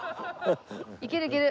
いけるいける。